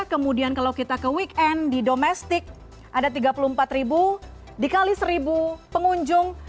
kemudian kalau kita ke weekend di domestik ada tiga puluh empat ribu dikali seribu pengunjung